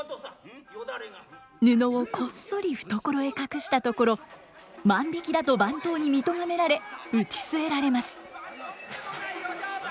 布をこっそり懐へ隠したところ万引きだと番頭に見とがめられ打ち据えられます。